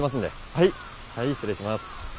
はいはい失礼します。